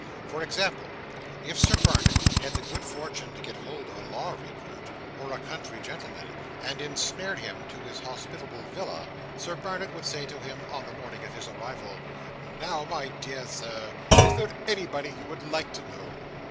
For example, if Sir Barnet had the good fortune to get hold of a law recruit, or a country gentleman, and ensnared him to his hospitable villa, Sir Barnet would say to him, on the morning after his arrival, "Now, my dear Sir, is there anybody you would like to know?